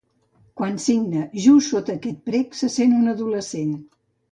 Quan signa just sota aquest prec se sent un adolescent.